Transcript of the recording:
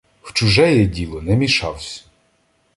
В чужеє діло не мішавсь.